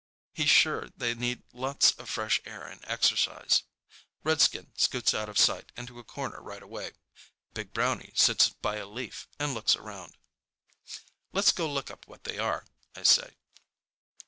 He's sure they need lots of fresh air and exercise. Redskin scoots out of sight into a corner right away. Big Brownie sits by a leaf and looks around. "Let's go look up what they are," I say.